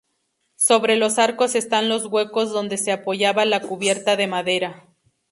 Sobre los arcos están los huecos donde se apoyaba la cubierta de madera.